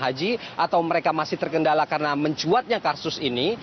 karena mereka masih terkendala karena mencuatnya kasus ini